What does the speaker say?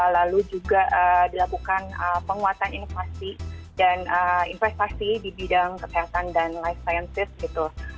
lalu juga dilakukan penguatan inovasi dan investasi di bidang kesehatan dan life sciences gitu